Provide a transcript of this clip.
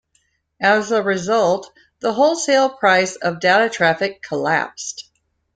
As a result, the wholesale price of data traffic collapsed.